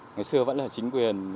ngày xưa vẫn là chính quyền